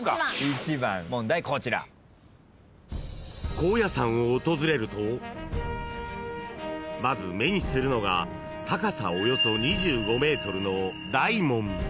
［高野山を訪れるとまず目にするのが高さおよそ２５ｍの］